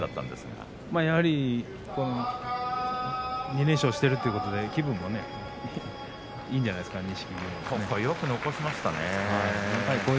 錦木は２連勝しているということで気分もいいんじゃないですか。